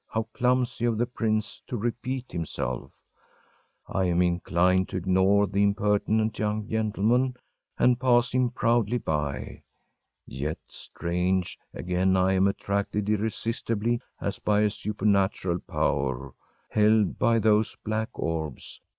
How clumsy of the prince to repeat himself, I am inclined to ignore the impertinent young gentleman, and pass him proudly by yet strange again I am attracted irresistibly, as by a supernatural power, held by those black orbs.